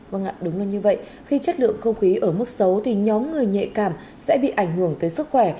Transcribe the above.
vâng ạ đúng là như vậy khi chất lượng không khí ở mức xấu thì nhóm người nhạy cảm sẽ bị ảnh hưởng tới sức khỏe